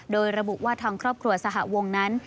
โดยระบุว่าทางครอบครัวสหวงนั้น